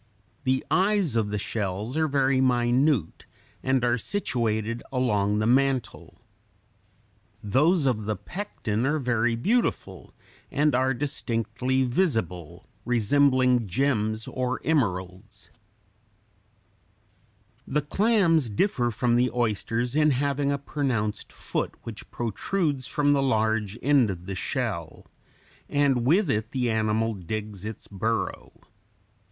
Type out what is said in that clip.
The eyes of the shells are very minute and are situated along the mantle. Those of the pecten are very beautiful and are distinctly visible, resembling gems or emeralds. [Illustration: FIG. 83. A clam: f, foot; m, mantle; s, siphon.] The clams (Fig. 83) differ from the oysters in having a pronounced foot (f) which protrudes from the large end of the shell; and with it the animal digs its burrow.